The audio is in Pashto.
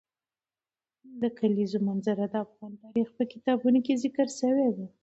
د کلیزو منظره د افغان تاریخ په کتابونو کې ذکر شوی دي.